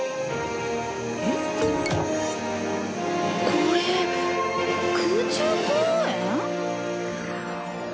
これ空中公園？